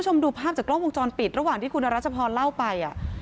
ซึ่งหลวงจอนปิดระหว่างที่คุณรัชพรล่าวไป